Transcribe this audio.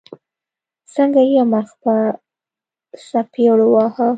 څنګه يې مخ په څپېړو واهه.